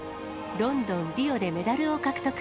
ロンドン、リオでメダルを獲得。